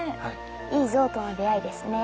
いい像との出会いですね。